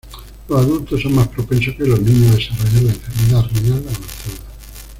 Los adultos son más propensos que los niños a desarrollar la enfermedad renal avanzada.